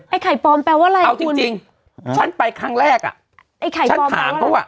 ไอ้ไข่ปลอมแปลว่าไรคุณเอาจริงจริงฉันไปครั้งแรกอ่ะไอ้ไข่ปลอมแปลว่าฉันถามเขาอ่ะ